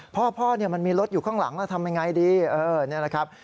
พ่อมันมีรถอยู่ข้างหลังแล้วทำยังไงดีนี่นะครับ